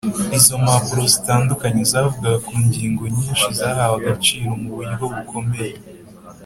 Izo mpapuro zitandukanye zavugaga ku ngingo nyinshi zahawe agaciro mu buryo bukomeye.